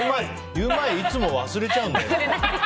ゆウマいいつも忘れちゃうんだよ。